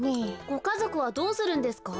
ごかぞくはどうするんですか？